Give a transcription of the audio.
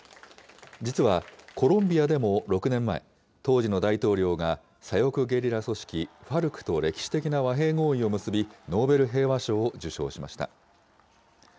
実は、コロンビアでも６年前、当時の大統領が左翼ゲリラ組織ＦＡＲＣと歴史的な和平合意を結び、ノーベル平和賞を受賞しました。